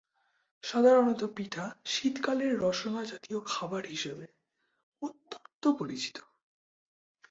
সাধারণতঃ পিঠা শীতকালের রসনাজাতীয় খাবার হিসেবে অত্যন্ত পরিচিত।